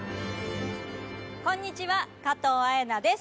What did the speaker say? こんにちは加藤綾菜です。